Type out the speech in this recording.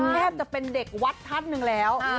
แทบจะเป็นเด็กวัดท่านหนึ่งแล้ว